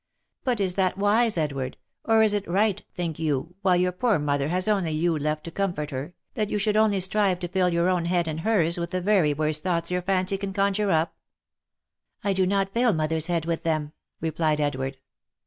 " But is that wise, Edward, or is it right, think you, while your poor mother has only you left to comfort her, that you should only strive to fill your own head and hers with the very worst thoughts your fancy can conjure up V* " I do not fill mother's head with them,' , replied Edward.